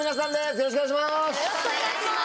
よろしくお願いします！